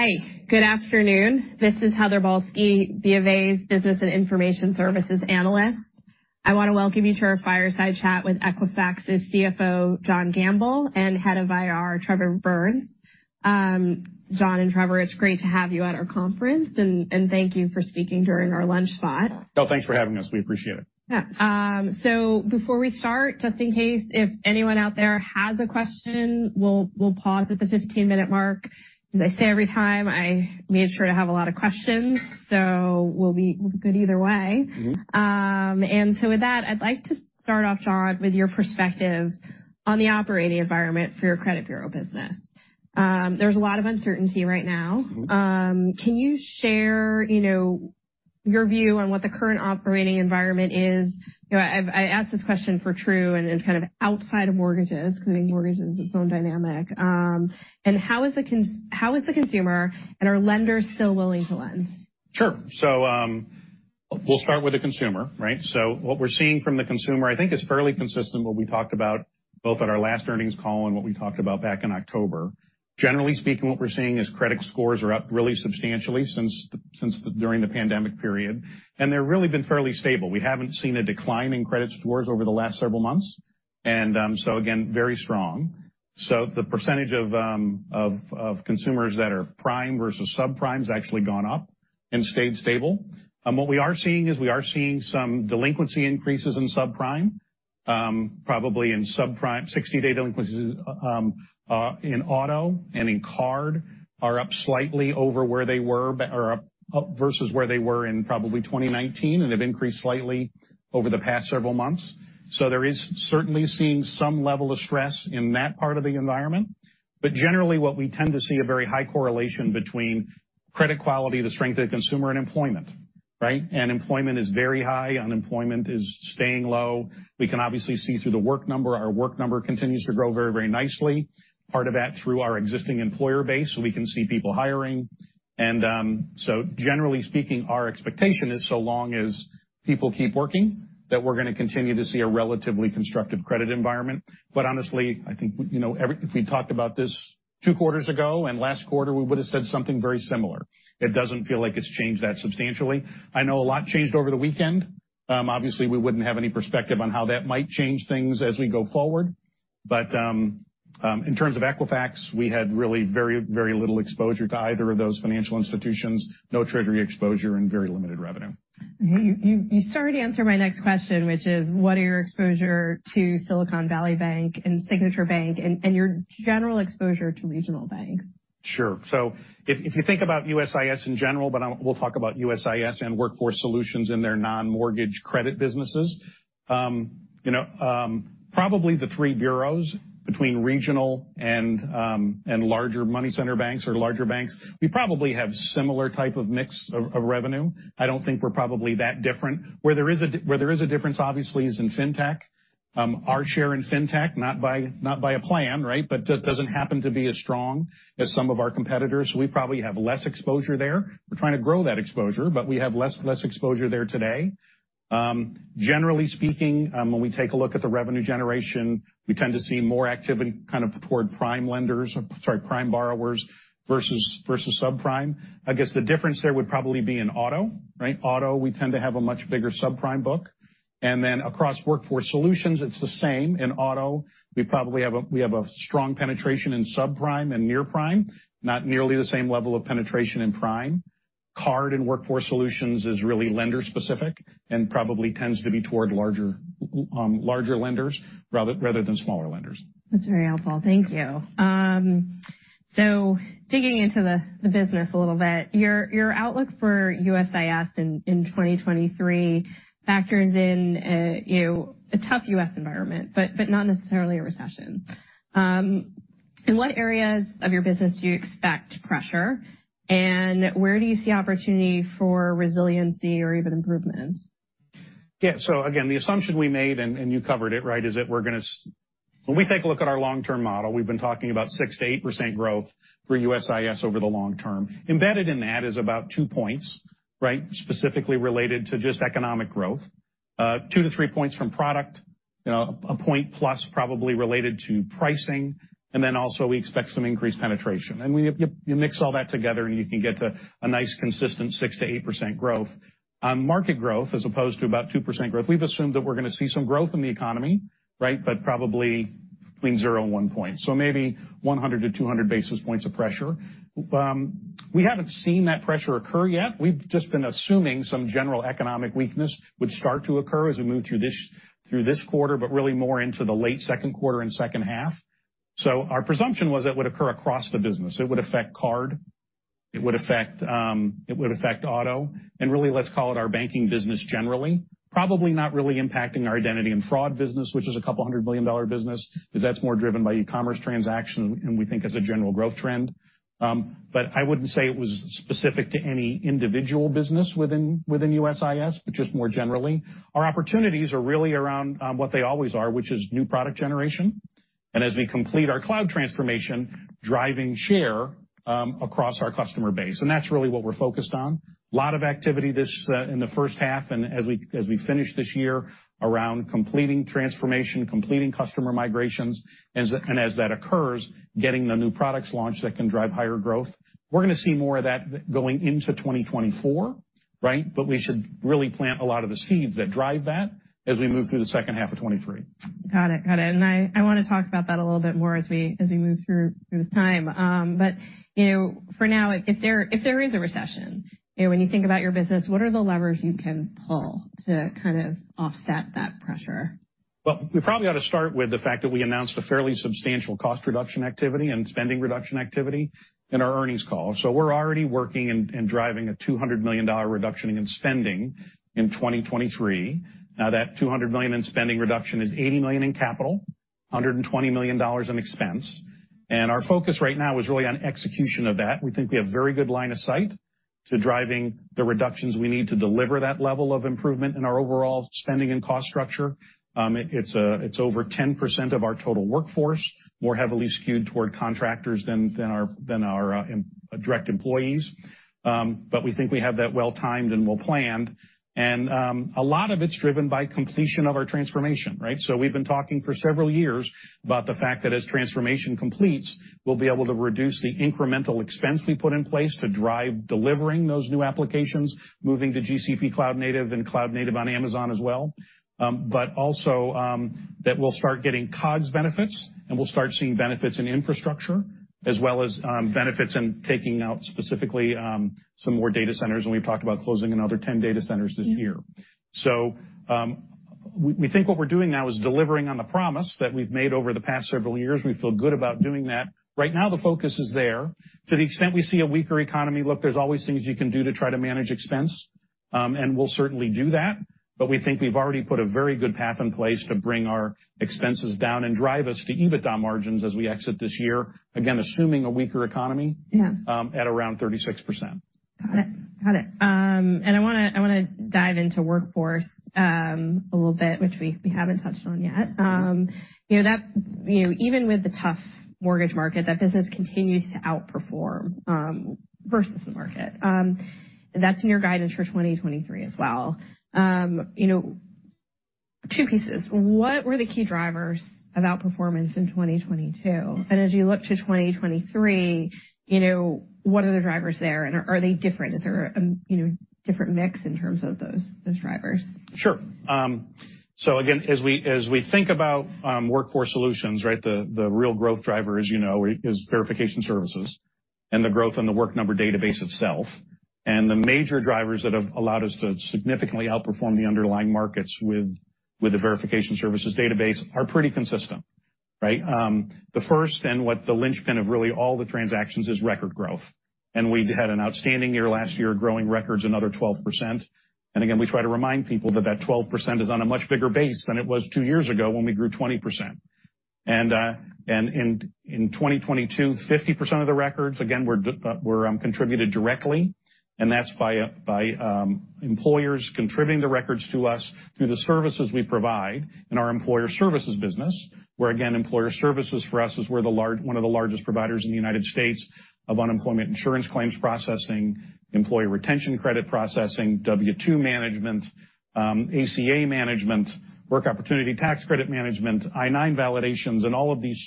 Hi. Good afternoon. This is Heather Balsky, BofA's Business and Information Services Analyst. I want to welcome you to our fireside chat with Equifax's CFO, John Gamble, and Head of IR, Trevor Burns. John and Trevor, it's great to have you at our conference, and thank you for speaking during our lunch spot. Oh, thanks for having us. We appreciate it. Yeah. Before we start, just in case, if anyone out there has a question, we'll pause at the 15-minute mark. As I say every time, I made sure to have a lot of questions. We'll be good either way. Mm-hmm. With that, I'd like to start off, John, with your perspective on the operating environment for your credit bureau business. There's a lot of uncertainty right now. Mm-hmm. Can you share, you know, your view on what the current operating environment is? You know, I asked this question for True and then kind of outside of mortgages because I think mortgages is its own dynamic. How is the consumer, and are lenders still willing to lend? Sure. We'll start with the consumer, right? What we're seeing from the consumer, I think is fairly consistent what we talked about both at our last earnings call and what we talked about back in October. Generally speaking, what we're seeing is credit scores are up really substantially since the during the pandemic period, and they've really been fairly stable. We haven't seen a decline in credit scores over the last several months, again, very strong. The percentage of consumers that are prime versus subprime has actually gone up and stayed stable. What we are seeing is we are seeing some delinquency increases in subprime, probably in subprime-- 60-day delinquencies, in auto and in card are up slightly over where they were or up versus where they were in probably 2019 and have increased slightly over the past several months. There is certainly seeing some level of stress in that part of the environment. Generally what we tend to see a very high correlation between credit quality, the strength of the consumer, and employment, right? Employment is very high. Unemployment is staying low. We can obviously see through the Work Number. Our Work Number continues to grow very nicely, part of that through our existing employer base, so we can see people hiring. Generally speaking, our expectation is so long as people keep working, that we're gonna continue to see a relatively constructive credit environment. Honestly, I think, you know, if we talked about this two quarters ago and last quarter, we would have said something very similar. It doesn't feel like it's changed that substantially. I know a lot changed over the weekend. Obviously, we wouldn't have any perspective on how that might change things as we go forward. In terms of Equifax, we had really very, very little exposure to either of those financial institutions, no treasury exposure, and very limited revenue. You started to answer my next question, which is, what are your exposure to Silicon Valley Bank and Signature Bank and your general exposure to regional banks? Sure. If you think about USIS in general, but we'll talk about USIS and Workforce Solutions in their non-mortgage credit businesses, you know, probably the three bureaus between regional and larger money center banks or larger banks, we probably have similar type of mix of revenue. I don't think we're probably that different. Where there is a difference, obviously, is in Fintech. Our share in Fintech, not by a plan, right, but doesn't happen to be as strong as some of our competitors. We probably have less exposure there. We're trying to grow that exposure, but we have less exposure there today. Generally speaking, when we take a look at the revenue generation, we tend to see more activity kind of toward prime lenders or, sorry, prime borrowers versus subprime. I guess, the difference there would probably be in auto, right? Auto, we tend to have a much bigger subprime book. Across Workforce Solutions, it's the same. In auto, we probably have a strong penetration in subprime and near prime, not nearly the same level of penetration in prime. Card in Workforce Solutions is really lender specific and probably tends to be toward larger lenders rather than smaller lenders. That's very helpful. Thank you. Digging into the business a little bit, your outlook for USIS in 2023 factors in a, you know, a tough U.S. environment, not necessarily a recession. In what areas of your business do you expect pressure, and where do you see opportunity for resiliency or even improvements? Again, the assumption we made, and you covered it, right, is that we're gonna when we take a look at our long-term model, we've been talking about 6%-8% growth for USIS over the long term. Embedded in that is about 2 points, right, specifically related to just economic growth, 2-3 points from product, you know, 1 point plus probably related to pricing. Also we expect some increased penetration. You mix all that together and you can get to a nice consistent 6%-8% growth. On market growth as opposed to about 2% growth, we've assumed that we're gonna see some growth in the economy, right, but probably between 0 and 1 point. Maybe 100 basis points-200 basis points of pressure. We haven't seen that pressure occur yet. We've just been assuming some general economic weakness would start to occur as we move through this, through this quarter, but really more into the late second quarter and second half. Our presumption was it would occur across the business. It would affect card, it would affect auto, and really let's call it our banking business generally. Probably not really impacting our identity and fraud business, which is a couple of $200 million business because that's more driven by e-commerce transaction, and we think as a general growth trend. I wouldn't say it was specific to any individual business within USIS, but just more generally. Our opportunities are really around what they always are, which is new product generation. As we complete our cloud transformation, driving share across our customer base. That's really what we're focused on. A lot of activity this, in the first half and as we finish this year around completing transformation, completing customer migrations, and as that occurs, getting the new products launched that can drive higher growth. We're gonna see more of that going into 2024, right? We should really plant a lot of the seeds that drive that as we move through the second half of 2023. Got it. Got it. I wanna talk about that a little bit more as we move through the time. You know, for now, if there is a recession, you know, when you think about your business, what are the levers you can pull to kind of offset that pressure? Well, we probably ought to start with the fact that we announced a fairly substantial cost reduction activity and spending reduction activity in our earnings call. We're already working and driving a $200 million reduction in spending in 2023. That $200 million in spending reduction is $80 million in capital, $120 million in expense. Our focus right now is really on execution of that. We think we have very good line of sight to driving the reductions we need to deliver that level of improvement in our overall spending and cost structure. It's over 10% of our total workforce, more heavily skewed toward contractors than our direct employees. We think we have that well-timed and well-planned. A lot of it's driven by completion of our transformation, right? We've been talking for several years about the fact that as transformation completes, we'll be able to reduce the incremental expense we put in place to drive delivering those new applications, moving to GCP Cloud Native and Cloud Native on Amazon as well. Also, that we'll start getting COGS benefits, and we'll start seeing benefits in infrastructure as well as, benefits in taking out specifically, some more data centers, and we've talked about closing another 10 data centers this year. We think what we're doing now is delivering on the promise that we've made over the past several years. We feel good about doing that. Right now, the focus is there. To the extent we see a weaker economy, look, there's always things you can do to try to manage expense, and we'll certainly do that. We think we've already put a very good path in place to bring our expenses down and drive us to EBITDA margins as we exit this year, again, assuming a weaker economy. Yeah. at around 36%. Got it. Got it. I wanna dive into Workforce a little bit, which we haven't touched on yet. You know, that, you know, even with the tough mortgage market, that business continues to outperform versus the market. That's in your guidance for 2023 as well. You know, two pieces. What were the key drivers of outperformance in 2022? As you look to 2023, you know, what are the drivers there, and are they different? Is there a, you know, different mix in terms of those drivers? Sure. Again, as we think about Workforce Solutions, right, the real growth driver, as you know, is Verification Services and the growth in The Work Number database itself. The major drivers that have allowed us to significantly outperform the underlying markets with the Verification Services database are pretty consistent, right? The first and what the linchpin of really all the transactions is record growth. We had an outstanding year last year growing records another 12%. Again, we try to remind people that that 12% is on a much bigger base than it was two years ago when we grew 20%. In 2022, 50% of the records, again, were contributed directly, and that's by employers contributing the records to us through the services we provide in our Employer Services business, where again, Employer Services for us is one of the largest providers in the United States of unemployment insurance claims processing, Employee Retention Credit processing, W-2 management, ACA management, Work Opportunity Tax Credit management, I-9 validations, and all of these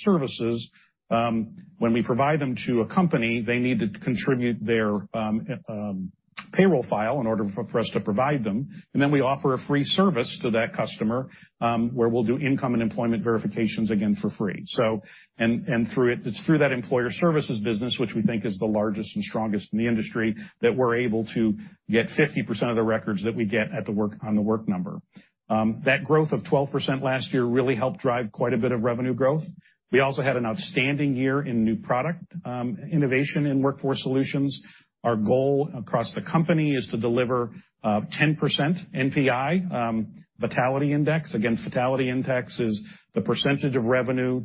services, when we provide them to a company, they need to contribute their payroll file in order for us to provide them. Then we offer a free service to that customer, where we'll do income and employment verifications again for free. Through it's through that Employer Services business, which we think is the largest and strongest in the industry, that we're able to get 50% of the records that we get on The Work Number. That growth of 12% last year really helped drive quite a bit of revenue growth. We also had an outstanding year in new product innovation in Workforce Solutions. Our goal across the company is to deliver 10% NPI Vitality Index. Again, Vitality Index is the percentage of revenue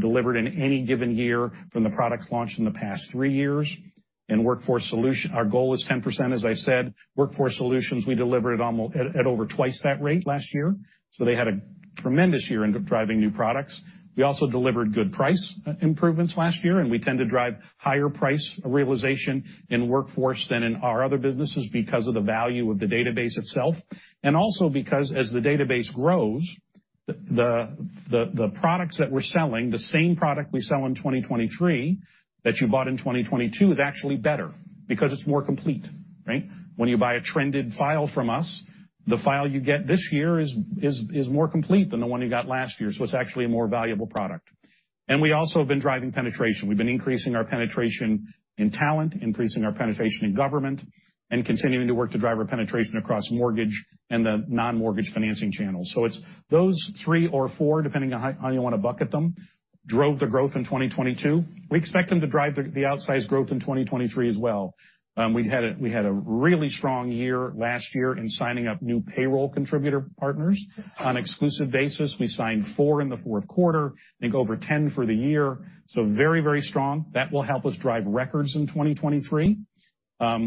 delivered in any given year from the products launched in the past three years. In Workforce Solutions, our goal is 10%, as I said. Workforce Solutions, we delivered at over twice that rate last year. They had a tremendous year in driving new products. We also delivered good price improvements last year. We tend to drive higher price realization in Workforce than in our other businesses because of the value of the database itself. Also because as the database grows, the products that we're selling, the same product we sell in 2023 that you bought in 2022 is actually better because it's more complete, right? When you buy a trended file from us, the file you get this year is more complete than the one you got last year. It's actually a more valuable product. We also have been driving penetration. We've been increasing our penetration in Talent, increasing our penetration in government, and continuing to work to drive our penetration across mortgage and the non-mortgage financing channels. It's those three or four, depending on how you wanna bucket them, drove the growth in 2022. We expect them to drive the outsized growth in 2023 as well. We had a really strong year last year in signing up new payroll contributor partners on exclusive basis. We signed four in the fourth quarter, I think over 10 for the year, very, very strong. That will help us drive records in 2023.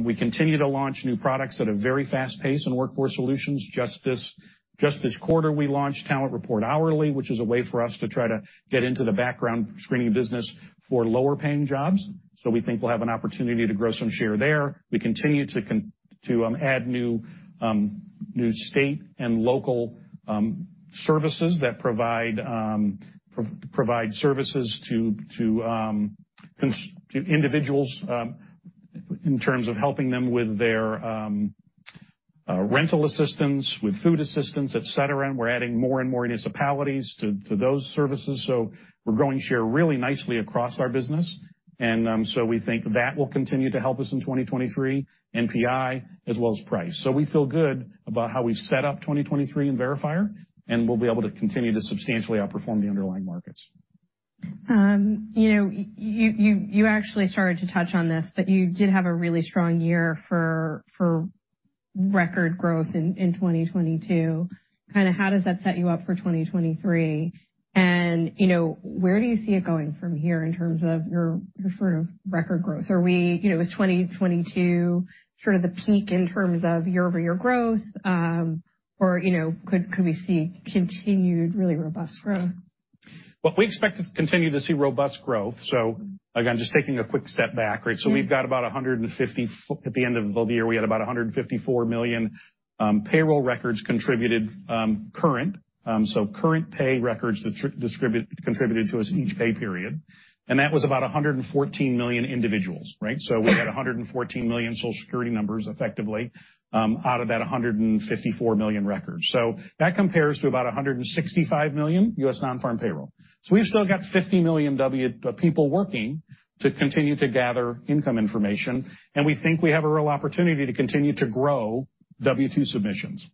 We continue to launch new products at a very fast pace in Workforce Solutions. Just this quarter, we launched Talent Report Hourly, which is a way for us to try to get into the background screening business for lower paying jobs. We think we'll have an opportunity to grow some share there. We continue to add new state and local services that provide services to individuals in terms of helping them with their rental assistance, with food assistance, et cetera. We're adding more and more municipalities to those services. We're growing share really nicely across our business. We think that will continue to help us in 2023, NPI, as well as price. We feel good about how we've set up 2023 in Verifier, and we'll be able to continue to substantially outperform the underlying markets. You know, you actually started to touch on this. You did have a really strong year for record growth in 2022. Kinda how does that set you up for 2023? You know, where do you see it going from here in terms of your sort of record growth? You know, was 2022 sort of the peak in terms of year-over-year growth? You know, could we see continued really robust growth? Well, we expect to continue to see robust growth. Again, just taking a quick step back, right? Mm-hmm. We've got about at the end of the year, we had about 154 million payroll records contributed current. Current pay records contributed to us each pay period. That was about 114 million individuals, right? We had 114 million Social Security numbers effectively out of that 154 million records. That compares to about 165 million U.S. non-farm payroll. We've still got 50 million W-2 people working to continue to gather income information, and we think we have a real opportunity to continue to grow W-2 submissions.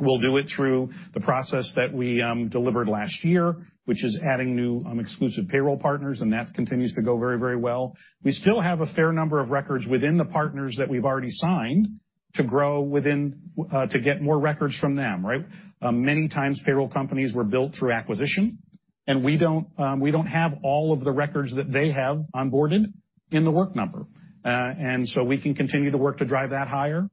We'll do it through the process that we delivered last year, which is adding new exclusive payroll partners, and that continues to go very, very well. We still have a fair number of records within the partners that we've already signed to grow within, to get more records from them, right? Many times payroll companies were built through acquisition, we don't have all of the records that they have onboarded in The Work Number. We can continue to work to drive that higher.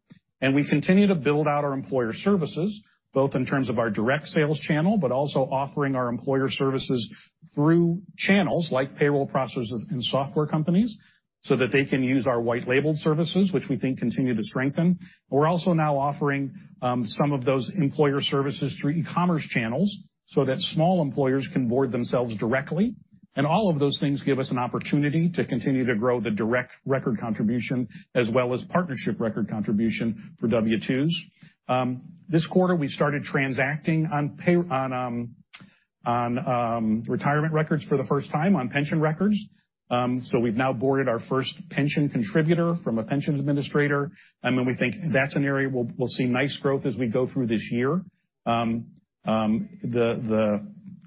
We continue to build out our Employer Services, both in terms of our direct sales channel, but also offering our Employer Services through channels like payroll processors and software companies so that they can use our white labeled services, which we think continue to strengthen. We're also now offering some of those Employer Services through e-commerce channels so that small employers can board themselves directly. All of those things give us an opportunity to continue to grow the direct record contribution as well as partnership record contribution for W-2s. This quarter, we started transacting on retirement records for the first time on pension records. We've now boarded our first pension contributor from a pension administrator. We think that's an area we'll see nice growth as we go through this year.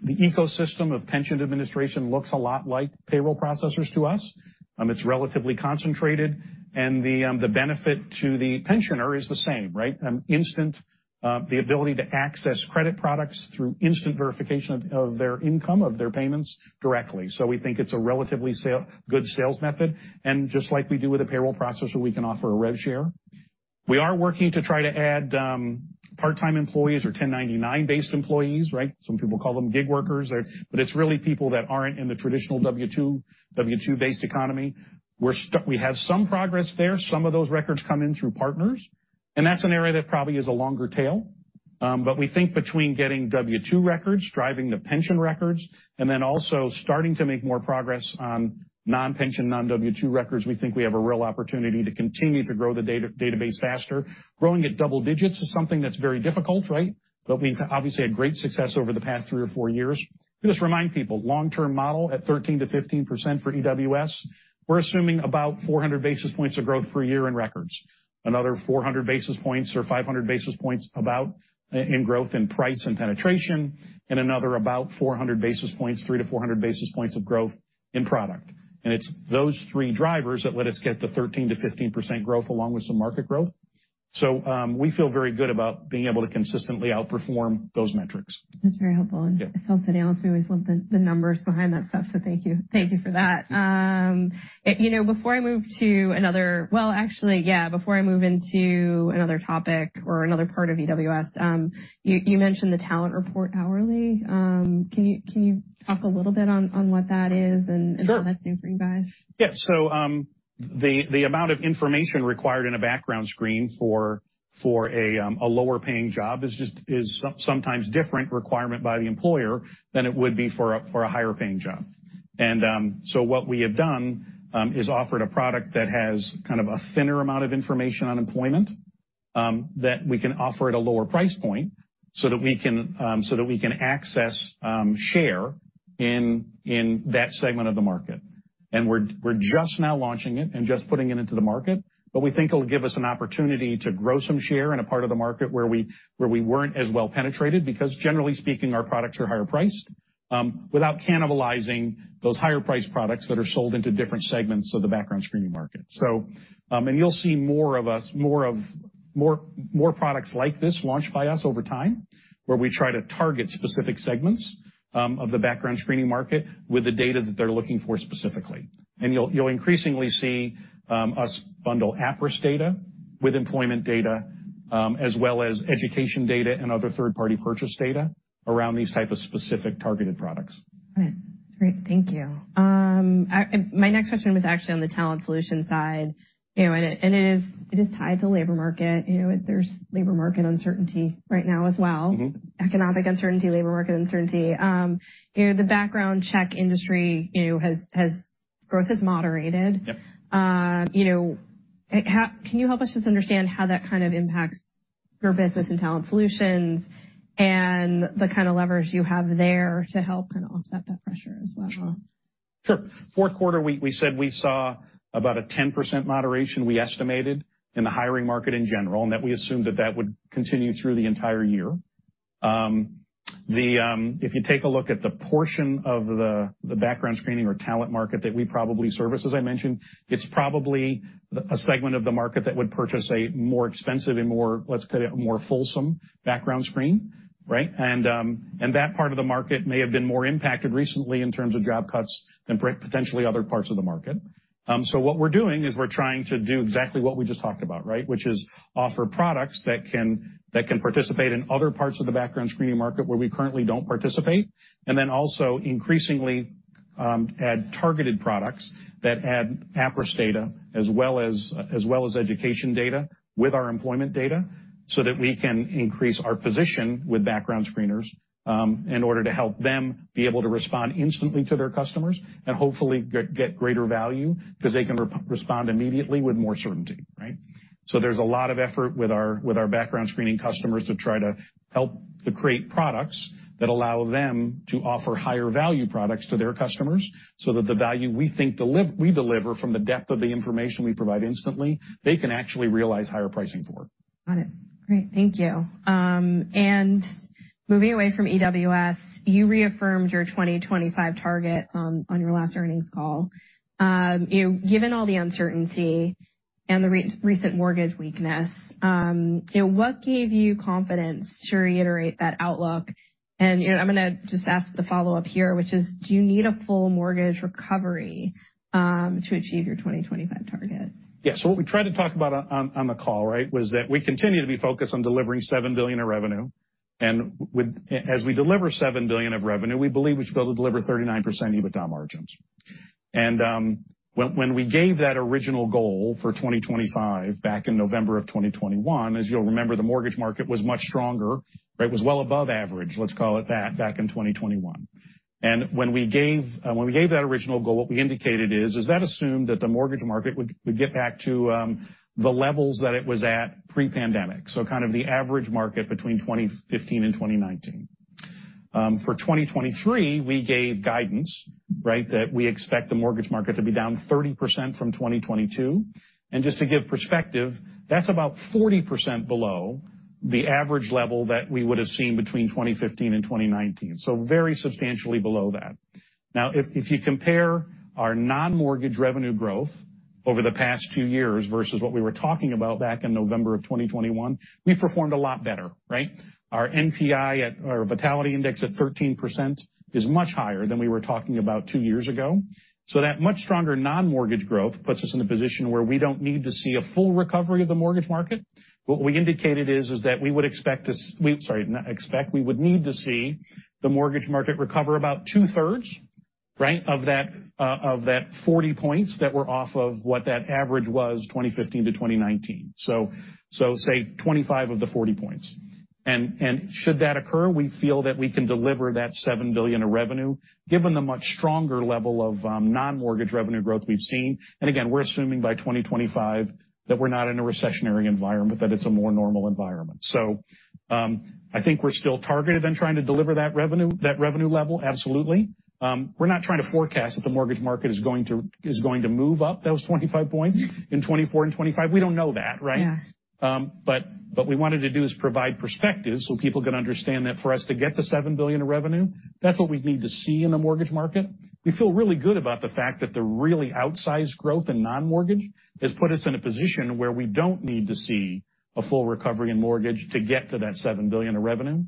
The ecosystem of pension administration looks a lot like payroll processors to us. It's relatively concentrated, and the benefit to the pensioner is the same, right? Instant, the ability to access credit products through instant verification of their income, of their payments directly. We think it's a relatively good sales method. Just like we do with a payroll processor, we can offer a rev share. We are working to try to add part-time employees or 1099 based employees, right? Some people call them gig workers or... But it's really people that aren't in the traditional W-2 based economy. We have some progress there. Some of those records come in through partners, and that's an area that probably is a longer tail. But we think between getting W-2 records, driving the pension records, and then also starting to make more progress on non-pension, non-W-2 records, we think we have a real opportunity to continue to grow the data-database faster. Growing at double digits is something that's very difficult, right? But we've obviously had great success over the past three or four years. Just remind people, long term model at 13%-15% for EWS, we're assuming about 400 basis points of growth per year in records. Another 400 basis points or 500 basis points about growth in price and penetration, and another about 400 basis points, 300 basis points-400 basis points of growth in product. It's those three drivers that let us get the 13%-15% growth along with some market growth. We feel very good about being able to consistently outperform those metrics. That's very helpful. Yeah. As somebody who always loved the numbers behind that stuff, thank you. Thank you for that. You know, Well, actually, yeah, before I move into another topic or another part of EWS, you mentioned the Talent Report Hourly. Can you talk a little bit on what that is and. Sure. What that's doing for you guys? Yeah. The amount of information required in a background screen for a lower paying job is just sometimes different requirement by the employer than it would be for a higher paying job. What we have done is offered a product that has kind of a thinner amount of information on employment that we can offer at a lower price point so that we can access share in that segment of the market. We're just now launching it and just putting it into the market, but we think it'll give us an opportunity to grow some share in a part of the market where we weren't as well penetrated, because generally speaking, our products are higher priced, without cannibalizing those higher priced products that are sold into different segments of the background screening market. You'll see more products like this launched by us over time, where we try to target specific segments of the background screening market with the data that they're looking for specifically. You'll increasingly see us bundle attributes data with employment data, as well as education data and other third-party purchase data around these type of specific targeted products. All right. Great. Thank you. My next question was actually on the Talent Solutions side. You know, and it is tied to labor market. You know, there's labor market uncertainty right now as well. Mm-hmm. Economic uncertainty, labor market uncertainty. you know, the background check industry, you know, has growth has moderated. Yeah. You know, can you help us just understand how that kind of impacts your business and Talent Solutions and the kind of leverage you have there to help kind of offset that pressure as well? Sure. Fourth quarter, we said we saw about a 10% moderation we estimated in the hiring market in general, and that we assumed that that would continue through the entire year. If you take a look at the portion of the background screening or talent market that we probably service, as I mentioned, it's probably a segment of the market that would purchase a more expensive and more, let's put it, more fulsome background screen, right? That part of the market may have been more impacted recently in terms of job cuts than potentially other parts of the market. What we're doing is we're trying to do exactly what we just talked about, right? Which is offer products that can participate in other parts of the background screening market where we currently don't participate. Also increasingly, add targeted products that add APRS data as well as education data with our employment data, so that we can increase our position with background screeners in order to help them be able to respond instantly to their customers and hopefully get greater value 'cause they can re-respond immediately with more certainty, right? There's a lot of effort with our background screening customers to try to help to create products that allow them to offer higher value products to their customers so that the value we think we deliver from the depth of the information we provide instantly, they can actually realize higher pricing for. Got it. Great. Thank you. Moving away from EWS, you reaffirmed your 2025 targets on your last earnings call. You know, given all the uncertainty and the recent mortgage weakness, you know, what gave you confidence to reiterate that outlook? You know, I'm gonna just ask the follow-up here, which is: Do you need a full mortgage recovery to achieve your 2025 target? What we tried to talk about on the call, right, was that we continue to be focused on delivering $7 billion of revenue. As we deliver $7 billion of revenue, we believe we should be able to deliver 39% EBITDA margins. When we gave that original goal for 2025 back in November of 2021, as you'll remember, the mortgage market was much stronger, right? It was well above average, let's call it that, back in 2021. When we gave that original goal, what we indicated is that assumed that the mortgage market would get back to the levels that it was at pre-pandemic, so kind of the average market between 2015 and 2019. For 2023, we gave guidance, right, that we expect the mortgage market to be down 30% from 2022. Just to give perspective, that's about 40% below the average level that we would have seen between 2015 and 2019, so very substantially below that. If you compare our non-mortgage revenue growth over the past two years versus what we were talking about back in November of 2021, we performed a lot better, right? Our NPI or Vitality Index at 13% is much higher than we were talking about two years ago. That much stronger non-mortgage growth puts us in a position where we don't need to see a full recovery of the mortgage market. What we indicated is that we would expect we... Sorry, not expect, we would need to see the mortgage market recover about two-thirds, right, of that 40 points that were off of what that average was, 2015 to 2019. Say 25 of the 40 points. Should that occur, we feel that we can deliver that $7 billion of revenue given the much stronger level of non-mortgage revenue growth we've seen. Again, we're assuming by 2025 that we're not in a recessionary environment, but that it's a more normal environment. I think we're still targeted in trying to deliver that revenue level, absolutely. We're not trying to forecast that the mortgage market is going to move up those 25 points in 2024 and 2025. We don't know that, right? Yeah. We wanted to do is provide perspective so people can understand that for us to get to $7 billion of revenue, that's what we'd need to see in the mortgage market. We feel really good about the fact that the really outsized growth in non-mortgage has put us in a position where we don't need to see a full recovery in mortgage to get to that $7 billion of revenue.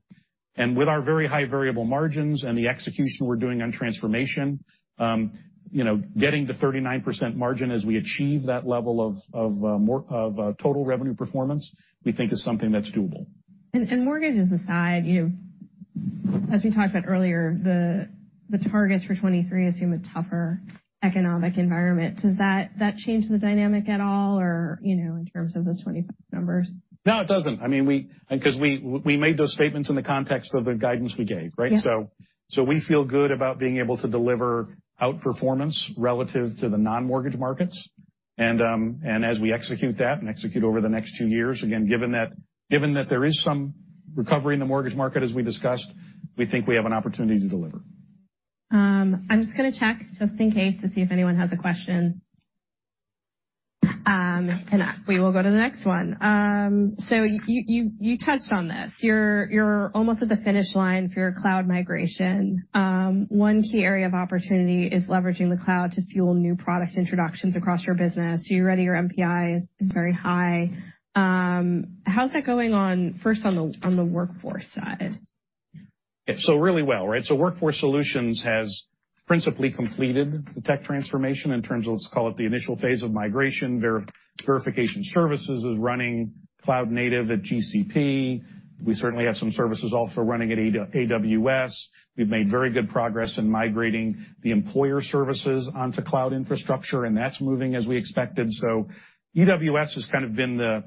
With our very high variable margins and the execution we're doing on transformation, you know, getting to 39% margin as we achieve that level of total revenue performance, we think is something that's doable. Mortgages aside, you know, as we talked about earlier, the targets for 23 assume a tougher economic environment. Does that change the dynamic at all or, you know, in terms of those 25 numbers? No, it doesn't. I mean, 'Cause we made those statements in the context of the guidance we gave, right? Yeah. We feel good about being able to deliver outperformance relative to the non-mortgage markets. As we execute that and execute over the next two years, again, given that there is some recovery in the mortgage market, as we discussed, we think we have an opportunity to deliver. I'm just gonna check just in case to see if anyone has a question. If we will go to the next one. You touched on this. You're almost at the finish line for your cloud migration. One key area of opportunity is leveraging the cloud to fuel new product introductions across your business. You already, your NPI is very high. How's that going on first on the Workforce side? Really well, right? Workforce Solutions has principally completed the tech transformation in terms of, let's call it, the initial phase of migration. Verification Services is running cloud native at GCP. We certainly have some services also running at AWS. We've made very good progress in migrating the Employer Services onto cloud infrastructure, and that's moving as we expected. EWS has kind of been the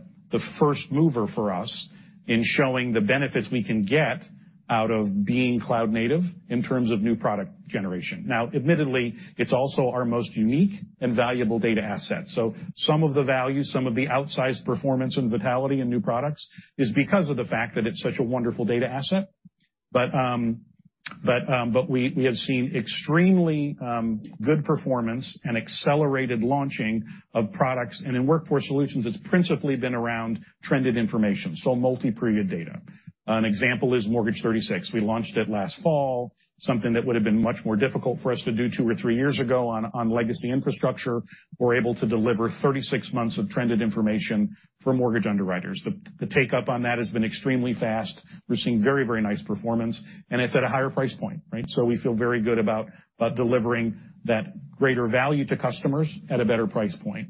first mover for us in showing the benefits we can get out of being cloud native in terms of new product generation. Admittedly, it's also our most unique and valuable data asset. Some of the value, some of the outsized performance and vitality in new products is because of the fact that it's such a wonderful data asset. But we have seen extremely good performance and accelerated launching of products. In Workforce Solutions, it's principally been around trended information, so multi-period data. An example is Mortgage 360. We launched it last fall, something that would have been much more difficult for us to do two or three years ago on legacy infrastructure. We're able to deliver 36 months of trended information for mortgage underwriters. The take-up on that has been extremely fast. We're seeing very nice performance, and it's at a higher price point, right? We feel very good about delivering that greater value to customers at a better price point.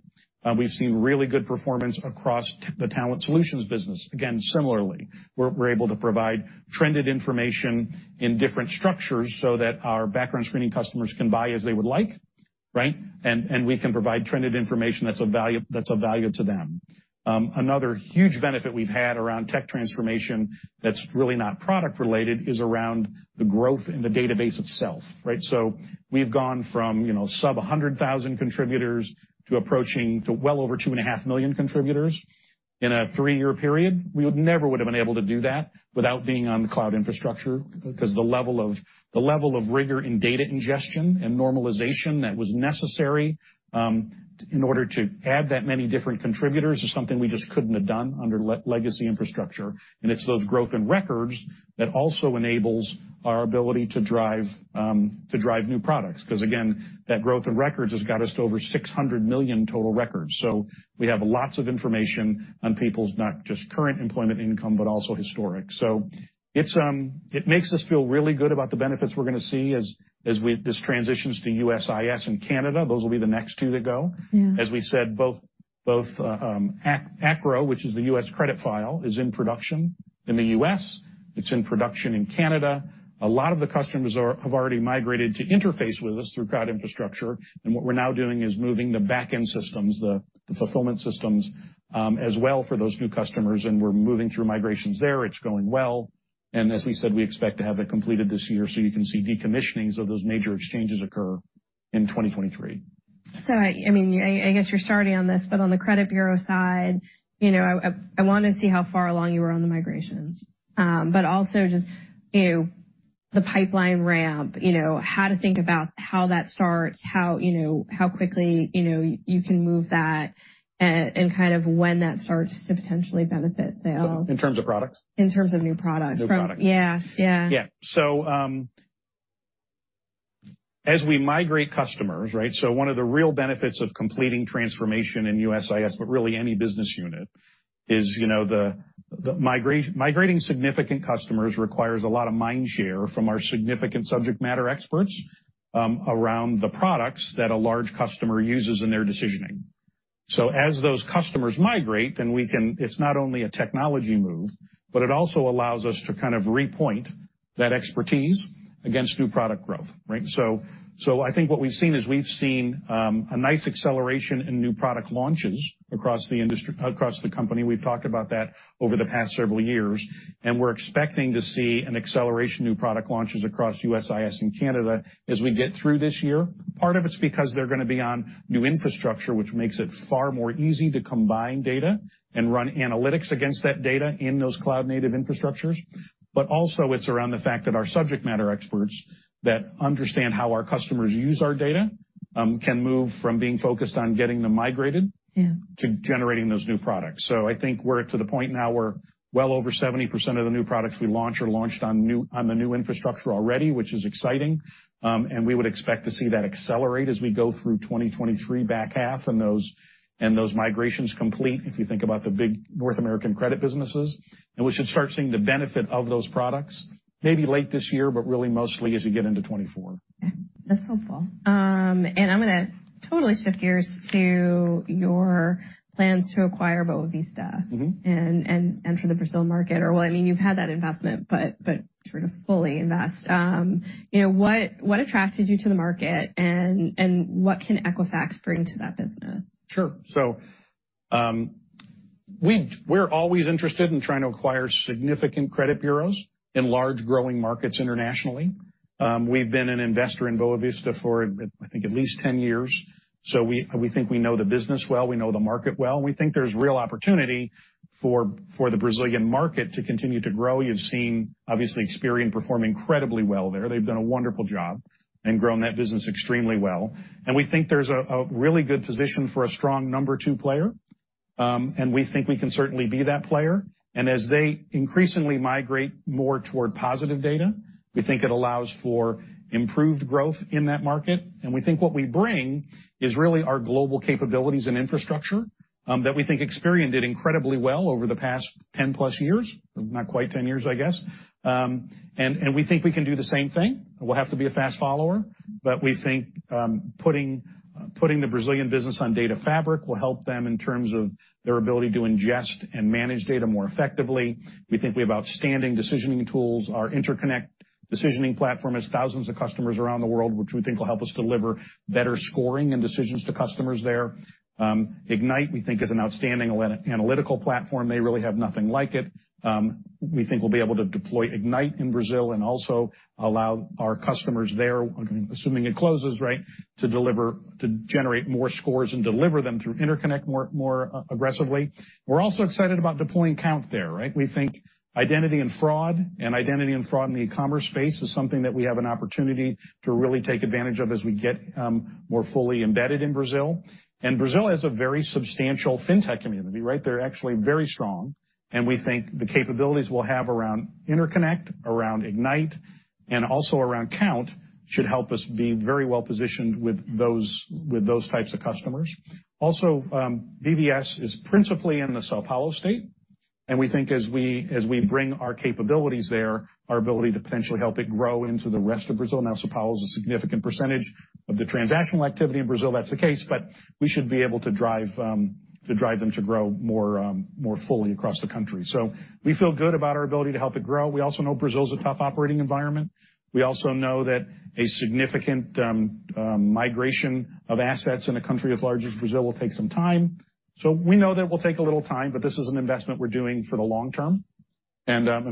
We've seen really good performance across the Talent Solutions business. Again, similarly, we're able to provide trended information in different structures so that our background screening customers can buy as they would like, right? We can provide trended information that's of value to them. Another huge benefit we've had around tech transformation that's really not product related is around the growth in the database itself, right? We've gone from, you know, sub 100,000 contributors to approaching well over 2.5 million contributors in a three-year period. We would never would have been able to do that without being on the cloud infrastructure, because the level of rigor in data ingestion and normalization that was necessary in order to add that many different contributors is something we just couldn't have done under legacy infrastructure. It's those growth in records that also enables our ability to drive new products. Because again, that growth in records has got us to over 600 million total records. We have lots of information on people's not just current employment income, but also historic. It makes us feel really good about the benefits we're gonna see as this transitions to USIS and Canada. Those will be the next two to go. Yeah. As we said, both ACRO, which is the U.S. credit file, is in production in the U.S., it's in production in Canada. A lot of the customers have already migrated to interface with us through cloud infrastructure. What we're now doing is moving the back-end systems, the fulfillment systems, as well for those new customers, and we're moving through migrations there. It's going well. As we said, we expect to have it completed this year, so you can see decommissioning of those major exchanges occur in 2023. I mean, I guess you're starting on this, but on the credit bureau side, you know, I want to see how far along you are on the migrations. Also just, you know, the pipeline ramp, you know, how to think about how that starts, how, you know, how quickly, you know, you can move that, and kind of when that starts to potentially benefit sales. In terms of products? In terms of new products New products. Yeah. Yeah. Yeah. As we migrate customers, right? One of the real benefits of completing transformation in USIS, but really any business unit is, you know, the migrating significant customers requires a lot of mind share from our significant subject matter experts, around the products that a large customer uses in their Decisioning. As those customers migrate, then it's not only a technology move, but it also allows us to kind of repoint that expertise against new product growth, right? I think what we've seen is we've seen a nice acceleration in new product launches across the company. We've talked about that over the past several years, and we're expecting to see an acceleration of new product launches across USIS and Canada as we get through this year. Part of it's because they're gonna be on new infrastructure, which makes it far more easy to combine data and run analytics against that data in those cloud-native infrastructures. Also it's around the fact that our subject matter experts that understand how our customers use our data, can move from being focused on getting them. Yeah. -to generating those new products. I think we're to the point now where well over 70% of the new products we launch are launched on the new infrastructure already, which is exciting. We would expect to see that accelerate as we go through 2023 back half and those, and those migrations complete, if you think about the big North American credit businesses. We should start seeing the benefit of those products maybe late this year, but really mostly as you get into 2024. Yeah, that's helpful. I'm gonna totally shift gears to your plans to acquire Boa Vista- Mm-hmm. Enter the Brazil market. Well, I mean, you've had that investment, but sort of fully invest. You know, what attracted you to the market and what can Equifax bring to that business? We're always interested in trying to acquire significant credit bureaus in large growing markets internationally. We've been an investor in Boa Vista for, I think at least 10 years, we think we know the business well, we know the market well. We think there's real opportunity for the Brazilian market to continue to grow. You've seen, obviously, Experian perform incredibly well there. They've done a wonderful job and grown that business extremely well. We think there's a really good position for a strong number two player, and we think we can certainly be that player. As they increasingly migrate more toward positive data, we think it allows for improved growth in that market. we think what we bring is really our global capabilities and infrastructure that we think Experian did incredibly well over the past 10+ years. Not quite 10 years, I guess. We think we can do the same thing. We'll have to be a fast follower, but we think putting the Brazilian business on Data Fabric will help them in terms of their ability to ingest and manage data more effectively. We think we have outstanding decisioning tools. Our InterConnect-Decisioning platform has thousands of customers around the world, which we think will help us deliver better scoring and decisions to customers there. Ignite, we think is an outstanding analytical platform. They really have nothing like it. We think we'll be able to deploy Ignite in Brazil and also allow our customers there, assuming it closes, right, to generate more scores and deliver them through InterConnect more aggressively. We're also excited about deploying Kount there, right? We think identity and fraud in the e-commerce space is something that we have an opportunity to really take advantage of as we get more fully embedded in Brazil. Brazil has a very substantial fintech community, right? They're actually very strong, and we think the capabilities we'll have around InterConnect, around Ignite, and also around Kount should help us be very well-positioned with those types of customers. BVS is principally in the São Paulo state, and we think as we bring our capabilities there, our ability to potentially help it grow into the rest of Brazil. São Paulo is a significant percentage of the transactional activity in Brazil. That's the case, but we should be able to drive them to grow more fully across the country. We feel good about our ability to help it grow. We also know Brazil is a tough operating environment. We also know that a significant migration of assets in a country as large as Brazil will take some time. We know that it will take a little time, but this is an investment we're doing for the long term.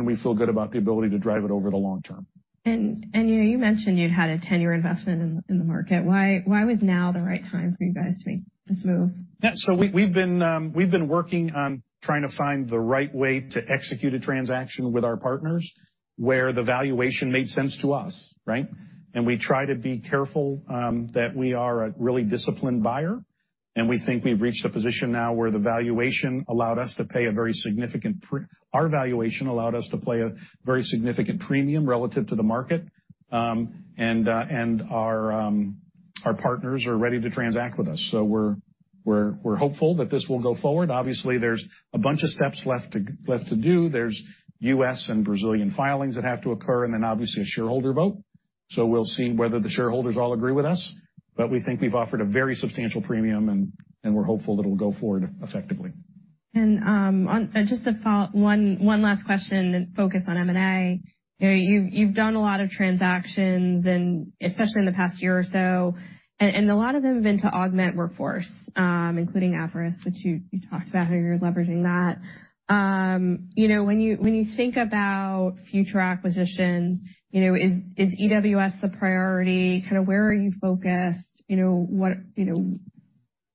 We feel good about the ability to drive it over the long term. You know, you mentioned you'd had a 10-year investment in the market. Why was now the right time for you guys to make this move? We've been working on trying to find the right way to execute a transaction with our partners where the valuation made sense to us, right. We try to be careful that we are a really disciplined buyer, and we think we've reached a position now where Our valuation allowed us to play a very significant premium relative to the market, and our partners are ready to transact with us. We're hopeful that this will go forward. Obviously, there's a bunch of steps left to do. There's U.S. and Brazilian filings that have to occur and then obviously a shareholder vote. We'll see whether the shareholders all agree with us, but we think we've offered a very substantial premium and we're hopeful it'll go forward effectively. Just a follow-up, one last question and focus on M&A. You know, you've done a lot of transactions especially in the past year or so, and a lot of them have been to augment workforce, including Averis, which you talked about how you're leveraging that. You know, when you think about future acquisitions, you know, is EWS the priority? Kinda where are you focused? You know,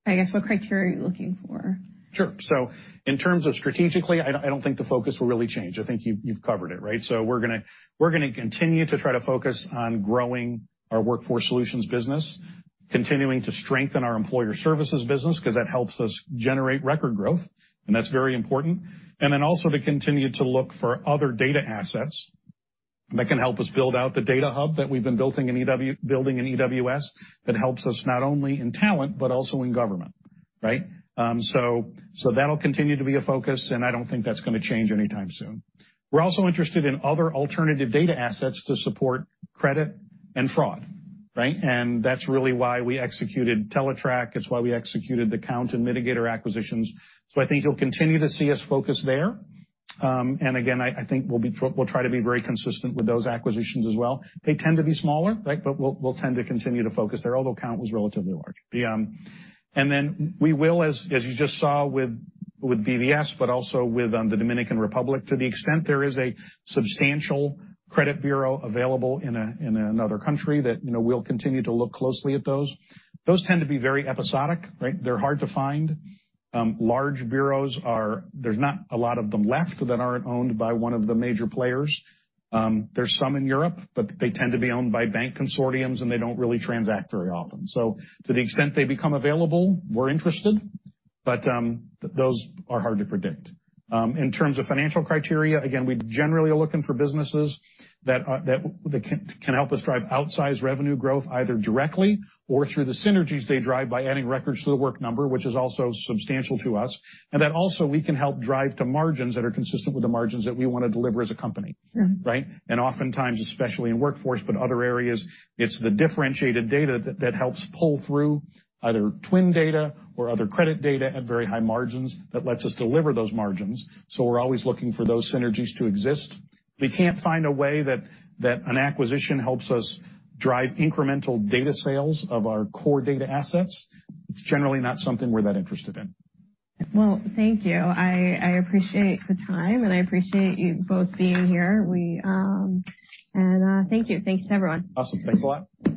I guess, what criteria are you looking for? Sure. In terms of strategically, I don't think the focus will really change. I think you've covered it, right? We're gonna continue to try to focus on growing our Workforce Solutions business, continuing to strengthen our Employer Services business 'cause that helps us generate record growth, and that's very important. Also to continue to look for other data assets that can help us build out the data hub that we've been building in EWS that helps us not only in talent but also in government, right? So that'll continue to be a focus, and I don't think that's gonna change anytime soon. We're also interested in other alternative data assets to support credit and fraud, right? That's really why we executed Teletrack. It's why we executed the Kount and Midigator acquisitions. I think you'll continue to see us focus there. And again, I think we'll try to be very consistent with those acquisitions as well. They tend to be smaller, right? We'll tend to continue to focus there, although Kount was relatively large. We will, as you just saw with BVS, but also with the Dominican Republic, to the extent there is a substantial credit bureau available in a, in another country that, you know, we'll continue to look closely at those. Those tend to be very episodic, right? They're hard to find. Large bureaus, there's not a lot of them left that aren't owned by one of the major players. There's some in Europe, they tend to be owned by bank consortiums, and they don't really transact very often. To the extent they become available, we're interested, but those are hard to predict. In terms of financial criteria, again, we generally are looking for businesses that can help us drive outsized revenue growth either directly or through the synergies they drive by adding records to The Work Number, which is also substantial to us. That also we can help drive to margins that are consistent with the margins that we wanna deliver as a company. Mm-hmm. Right? Oftentimes, especially in Workforce, but other areas, it's the differentiated data that helps pull through either twin data or other credit data at very high margins that lets us deliver those margins. We're always looking for those synergies to exist. If we can't find a way that an acquisition helps us drive incremental data sales of our core data assets, it's generally not something we're that interested in. Well, thank you. I appreciate the time. I appreciate you both being here. Thank you. Thanks, everyone. Awesome. Thanks a lot. Mm-hmm.